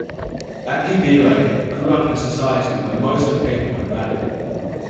Abdi Bile grew up in a society where most of people were nomadic.